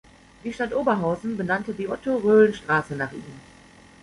Die Stadt Oberhausen benannte die Otto-Roelen-Straße nach ihm.